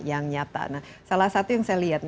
yang nyata nah salah satu yang saya lihat